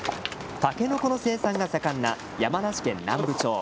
タケノコの生産が盛んな山梨県南部町。